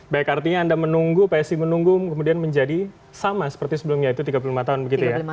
baik artinya anda menunggu psi menunggu kemudian menjadi sama seperti sebelumnya itu tiga puluh lima tahun begitu ya